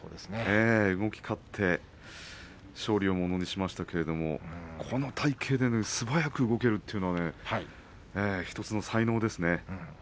動き勝って勝利をものにしましたけれどもこの体形で素早く動くというのは１つの才能ですね。